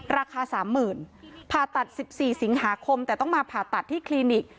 ราคาสามหมื่นผ่าตัดสิบสี่สิงหาคมแต่ต้องมาผ่าตัดที่คลินิค